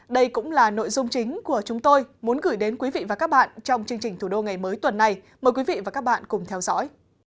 đây cũng là nội dung chính của chúng tôi muốn gửi đến quý vị và các bạn trong chương trình thủ đô ngày mới tuần này mời quý vị và các bạn cùng theo dõi